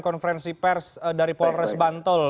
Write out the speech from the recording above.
konferensi pers dari polres bantul